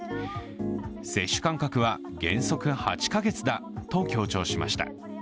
接種間隔は原則８カ月だと強調しました。